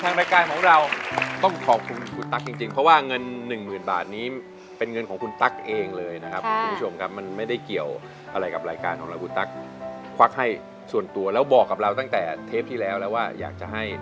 รายการของเราต้องขอบคุณคุณตั๊กจริงเพราะว่าเงินหนึ่งหมื่นบาทนี้เป็นเงินของคุณตั๊กเองเลยนะครับคุณผู้ชมครับมันไม่ได้เกี่ยวอะไรกับรายการของเราคุณตั๊กควักให้ส่วนตัวแล้วบอกกับเราตั้งแต่เทปที่แล้วแล้วว่าอยากจะให้